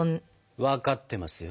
分かってますよ。